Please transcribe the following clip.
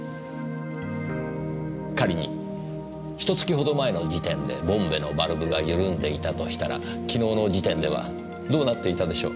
仮にひと月ほど前の時点でボンベのバルブが緩んでいたとしたら昨日の時点ではどうなっていたでしょう？